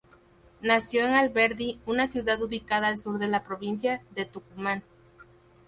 Nació en Alberdi, una ciudad ubicada al sur de la Provincia de Tucumán.